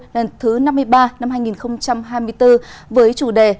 lần thứ năm mươi ba năm hai nghìn hai mươi bốn với chủ đề